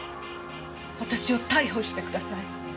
私を逮捕してください。